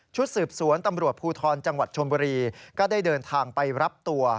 สืบสวนตำรวจภูทรจังหวัดชนบุรีก็ได้เดินทางไปรับตัว